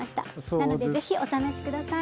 なのでぜひお試し下さい。